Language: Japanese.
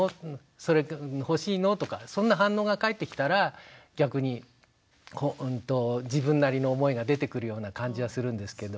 それ欲しいの？とかそんな反応が返ってきたら逆に自分なりの思いが出てくるような感じはするんですけど。